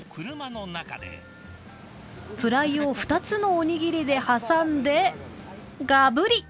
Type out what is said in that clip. フライを２つのおにぎりで挟んでガブリ！